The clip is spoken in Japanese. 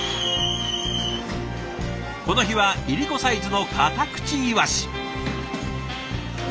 この日はいりこサイズのカタクチイワシ。